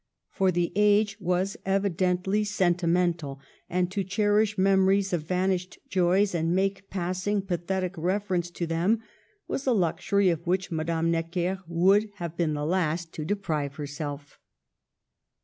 For the age was evidently senti mental, and to cherish memories of vanished joys, and make passing, pathetic reference to them, was a luxury of which Madame Necker would have been the last to deprive herself.